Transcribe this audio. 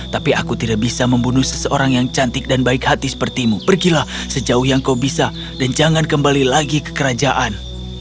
tapi aku tidak bisa membunuh seseorang yang cantik dan baik hati sepertimu pergilah sejauh yang kau bisa dan jangan kembali lagi ke kerajaan